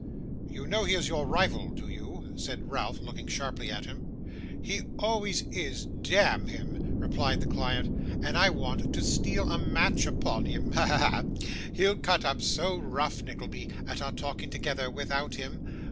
'You know he is your rival, do you?' said Ralph, looking sharply at him. 'He always is, d a amn him,' replied the client; 'and I want to steal a march upon him. Ha, ha, ha! He'll cut up so rough, Nickleby, at our talking together without him.